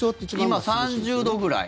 今、３０度ぐらい。